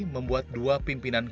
membuat dua pimpinan korps bayangkut